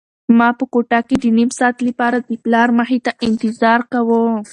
ما په کوټه کې د نيم ساعت لپاره د پلار مخې ته انتظار کاوه.